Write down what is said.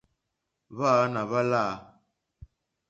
Hwáǎnà hwá láǃá.